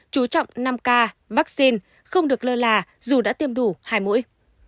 chú trọng năm ca vaccine không được lơ là dù đã tiêm đủ hai mũi